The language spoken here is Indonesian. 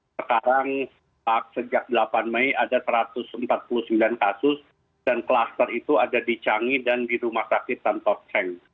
sekarang sejak delapan mei ada satu ratus empat puluh sembilan kasus dan klaster itu ada di canggih dan di rumah sakit tanpa ceng